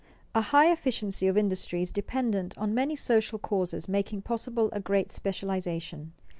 _A high efficiency of industry is dependent on many social causes making possible a great specialization.